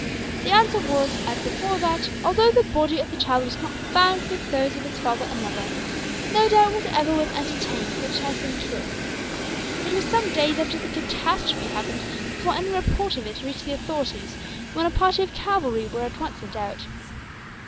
"The answer was as before that, although the body of the child was not found with those of its father and mother, no doubt whatever was entertained that it had been killed. It was some days after the catastrophe happened before any report of it reached the authorities, when a party of cavalry were at once sent out.